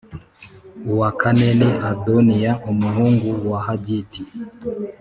uwa kane ni Adoniya umuhungu wa Hagiti